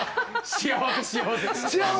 幸せ幸せ。